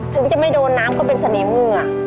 ถึงจะไม่โดนน้ำก็เป็นเสน่หมเหงื่อ